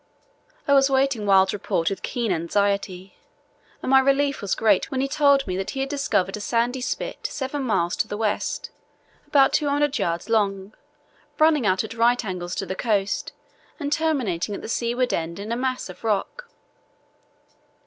I was waiting Wild's report with keen anxiety, and my relief was great when he told me that he had discovered a sandy spit seven miles to the west, about 200 yds. long, running out at right angles to the coast and terminating at the seaward end in a mass of rock.